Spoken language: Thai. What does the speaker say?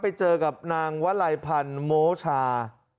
ไปเจอกับนางวะไหลพันหมโฌชา